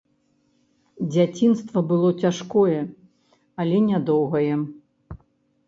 Дзяцінства было цяжкое, але нядоўгае.